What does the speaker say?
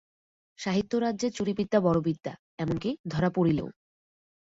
সাহিত্যরাজ্যে চুরিবিদ্যা বড়ো বিদ্যা, এমনকি, ধরা পড়িলেও।